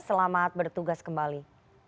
selamat bertugas kembali